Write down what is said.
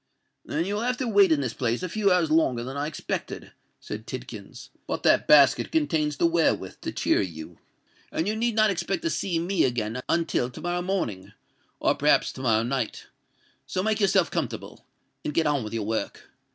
"Then you will have to wait in this place a few hours longer than I expected," said Tidkins. "But that basket contains the wherewith to cheer you, and you need not expect to see me again until to morrow morning, or perhaps to morrow night. So make yourself comfortable—and get on with your work.